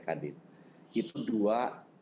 kadin itu dua